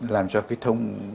làm cho cái thông